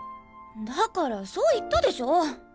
だからそう言ったでしょ。